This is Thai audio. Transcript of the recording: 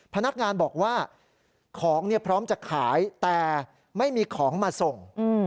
พนักงานบอกว่าของพร้อมจะขายแต่ไม่มีของมาส่ง